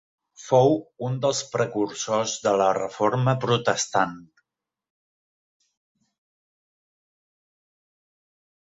Fou un dels precursors de la Reforma protestant.